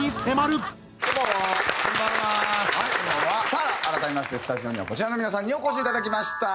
さあ改めましてスタジオにはこちらの皆さんにお越しいただきました。